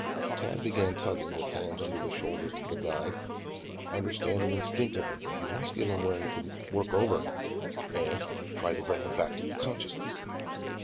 Tad began tugging, with hands under the shoulders of the guide, understanding instinctively that he must get him where they could work over him and try to bring him back to consciousness.